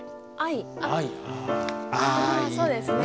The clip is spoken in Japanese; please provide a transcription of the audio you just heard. あそうですね。